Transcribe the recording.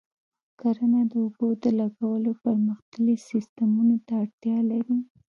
کرنه د اوبو د لګولو پرمختللي سیستمونه ته اړتیا لري.